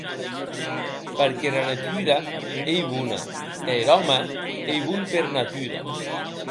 Perque era natura ei bona, e er òme ei bon per natura.